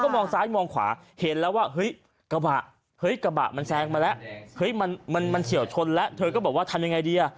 มองซ้ายมองขวาเห็นแล้วว่าเฮ้ยกระบะเฮ้ยกระบะมันแซงมาแล้วเฮ้ยมันเฉียวชนแล้วเธอก็บอกว่าทำยังไงดีอ่ะ